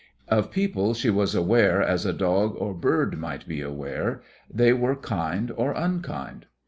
Of people she was aware as a dog or bird might be aware they were kind or unkind.